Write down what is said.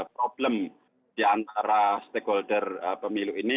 problem di antara stakeholder pemilu ini